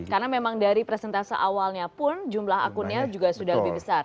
karena memang dari prosentase awalnya pun jumlah accountnya juga sudah lebih besar